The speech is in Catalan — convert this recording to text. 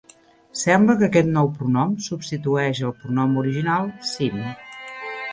Sembla que aquest nou pronom substitueix el pronom original "sinn".